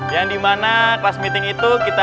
yang dimana kelas meeting itu kita